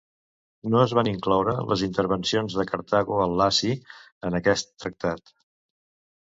No es van incloure les intervencions de Cartago al Laci en aquest tractat.